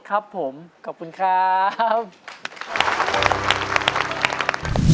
ครับผมขอบคุณครับ